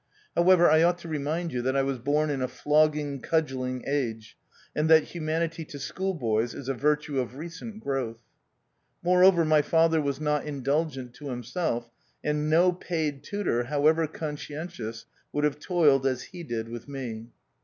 However, I ought to remind you that I was born in a flogging, cudgelling age, and that humanity to schoolboys is a virtue of recent growth. Moreover, my father was not indulgent to himself, and no paid tutor, however conscientious, would have toiled as he did with me.